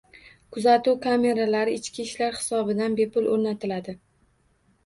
Kuzatuv kameralari ichki ishlar hisobidan bepul oʻrnatiladi